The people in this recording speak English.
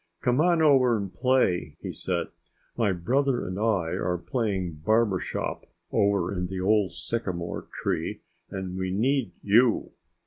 "Come on over and play," he said. "My brother and I are playing barber shop over in the old sycamore tree; and we need you."